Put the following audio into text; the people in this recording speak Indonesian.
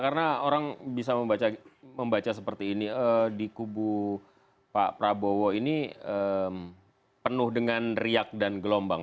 karena orang bisa membaca seperti ini di kubu pak prabowo ini penuh dengan riak dan gelombang